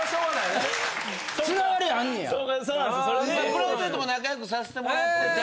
プライベートも仲良くさせてもらってて。